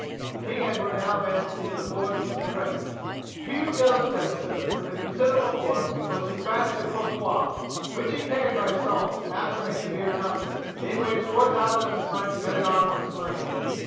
King Edward now advanced into the Forest of Cressy. Hugh de le Spencer, with a considerable force, was despatched to Crotoy, which he carried by assault after a severe conflict, in which four thousand of the French men at arms were slain.